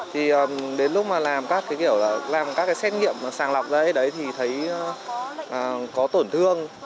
thì đến lúc mà làm các cái kiểu là làm các cái xét nghiệm sàng lọc ra ấy đấy thì thấy có tổn thương